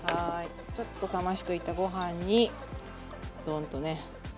ちょっと冷ましておいたご飯にドンとね。